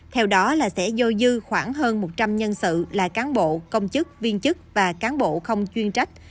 theo đó là sẽ dôi dư khoảng hơn một trăm linh nhân sự là cán bộ công chức viên chức và cán bộ không chuyên trách